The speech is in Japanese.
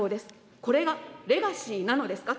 これがレガシーなのですか。